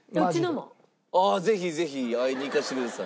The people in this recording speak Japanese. ああぜひぜひ会いに行かせてください。